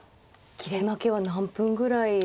切れ負けは何分ぐらいの。